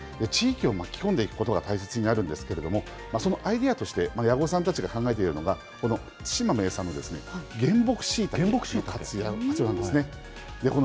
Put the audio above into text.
地域を巻き込んでいくことが大切になるんですけれども、そのアイデアとして、矢後さんたちが考えているのは、この対馬の名産の原木シイタケの活用なんですね。